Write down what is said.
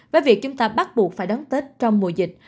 với việc chúng ta bắt buộc phải đón tết trong mùa dịch